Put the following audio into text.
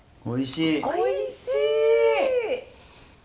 おいしい！